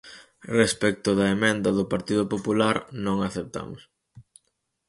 Respecto da emenda do Partido Popular, non a aceptamos.